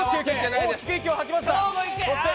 大きく息を吐きました。